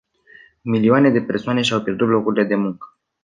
Milioane de persoane și-au pierdut locurile de muncă.